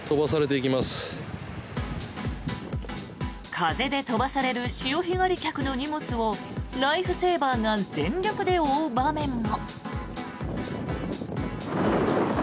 風で飛ばされる潮干狩り客の荷物をライフセーバーが全力で追う場面も。